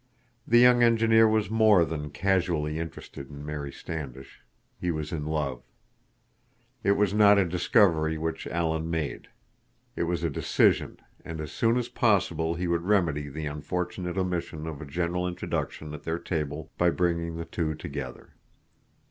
The young engineer was more than casually interested in Mary Standish; he was in love. It was not a discovery which Alan made. It was a decision, and as soon as possible he would remedy the unfortunate omission of a general introduction at their table by bringing the two together.